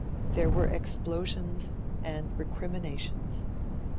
There were explosions and recriminations.